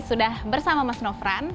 sudah bersama mas nofran